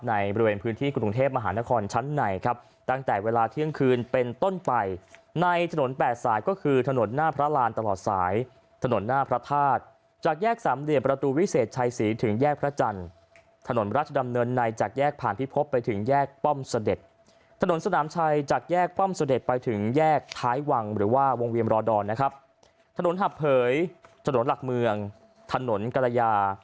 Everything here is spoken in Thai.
ในบริเวณพื้นที่กรุงเทพมหานครชั้นในครับตั้งแต่เวลาเที่ยงคืนเป็นต้นไปในถนนแปดสายก็คือถนนหน้าพระรานตลอดสายถนนหน้าพระธาตุจากแยกสามเหลี่ยมประตูวิเศษชัยศรีถึงแยกพระจันทร์ถนนราชดำเนินในจากแยกผ่านพิพบไปถึงแยกป้อมเสด็จถนนสนามชัยจากแยกป้อมเสด็จไปถึงแยกท้ายวังหรือว่าวงเวียมรอดอนนะครับถนนหับเผยถนนหลักเมืองถนนกรยา